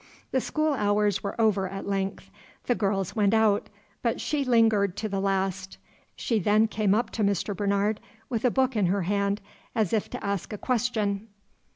The school hours were over at length. The girls went out, but she lingered to the last. She then came up to Mr. Bernard, with a book in her hand, as if to ask a question.